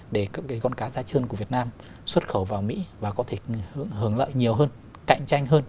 để các con cá da trơn của việt nam xuất khẩu vào mỹ và có thể hưởng lợi nhiều hơn cạnh tranh hơn